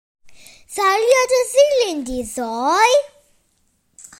Ddaru o dy ddilyn di ddoe?